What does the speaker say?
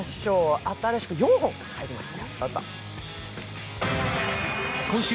新しく４本入りました。